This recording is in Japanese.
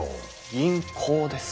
銀行です。